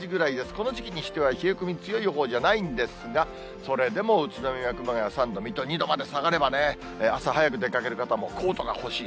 この時期にしては冷え込み強いほうじゃないんですが、それでも宇都宮、熊谷３度、水戸２度まで下がればね、朝早く出かける方も、コートが欲しい。